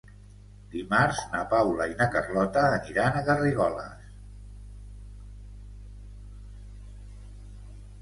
Dimarts na Paula i na Carlota aniran a Garrigoles.